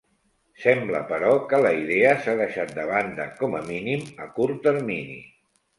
Sembla però, que la idea s'ha deixat de banda, com a mínim, a curt termini.